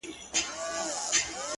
ډك د ميو جام مي د زړه ور مــات كړ؛